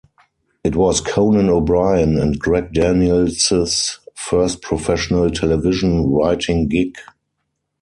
It was Conan O'Brien and Greg Daniels's first professional television writing gig.